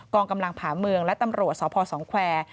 องกำลังผาเมืองและตำรวจสพสองแควร์